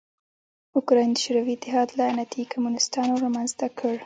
اوکراین د شوروي اتحاد لعنتي کمونستانو رامنځ ته کړ.